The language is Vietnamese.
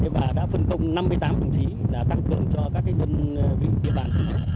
và đã phân công năm mươi tám đồng chí là tăng cường cho các đơn vị biên bản